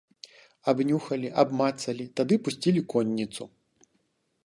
Абнюхалі, абмацалі, тады пусцілі конніцу.